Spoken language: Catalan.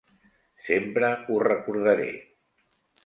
Sempre ho recordaré.